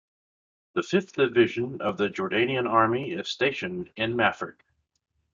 The fifth division of the Jordanian Army is stationed in Mafraq.